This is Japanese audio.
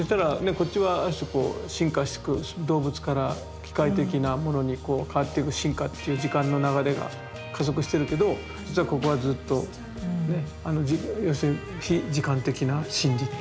こっちはある種こう進化してく動物から機械的なものにこう変わっていく進化っていう時間の流れが加速してるけど実はここはずっとねあの要するに非時間的な真理っていう。